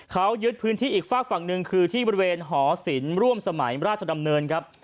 เขายึดพื้นที่อีกฝากฝั่งหนึ่งคือที่บริเวณหอศิลป์ร่วมสมัยราชดำเนินครับ